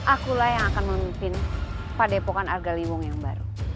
akulah yang akan memimpin pada epokan agar liwung yang baru